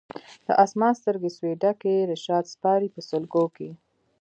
د اسمان سترګي سوې ډکي رشاد سپاري په سلګو کي